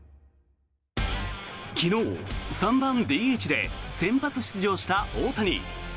昨日、３番ＤＨで先発出場した大谷。